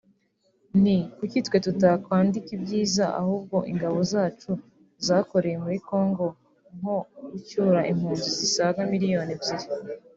nti kuki twe tutakwandika ibyiza ahubwo ingabo zacu zakoreye muri Congo nko gucyura impunzi zisaga miliyoni ebyiri